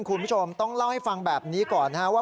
คุณผู้ชมต้องเล่าให้ฟังแบบนี้ก่อนนะครับว่า